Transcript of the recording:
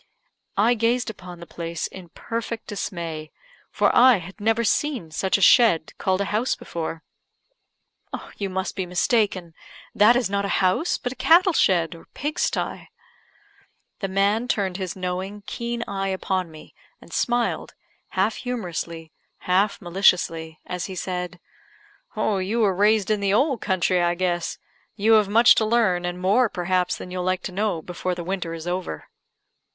I gazed upon the place in perfect dismay, for I had never seen such a shed called a house before. "You must be mistaken; that is not a house, but a cattle shed, or pig sty." The man turned his knowing, keen eye upon me, and smiled, half humorously, half maliciously, as he said "You were raised in the old country, I guess; you have much to learn, and more, perhaps, than you'll like to know, before the winter is over."